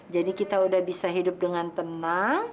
jadi kita udah bisa hidup dengan tenang